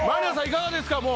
いかがですか？